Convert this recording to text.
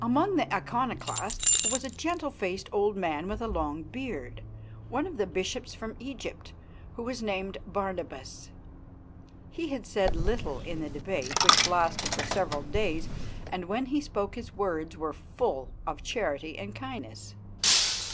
Among the Iconoclasts was a gentle faced old man with a long beard, one of the bishops from Egypt, who was named Barnabas. He had said little in the debate, which lasted for several days, and when he spoke his words were full of charity and kindness.